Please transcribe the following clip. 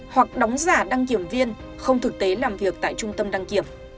hoặc đóng giả đăng kiểm viên không thực tế làm việc tại trung tâm đăng kiểm